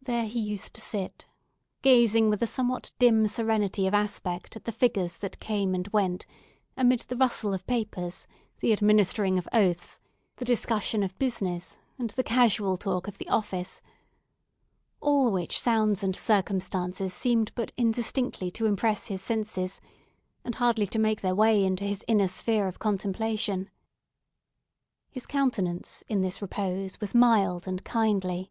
There he used to sit, gazing with a somewhat dim serenity of aspect at the figures that came and went, amid the rustle of papers, the administering of oaths, the discussion of business, and the casual talk of the office; all which sounds and circumstances seemed but indistinctly to impress his senses, and hardly to make their way into his inner sphere of contemplation. His countenance, in this repose, was mild and kindly.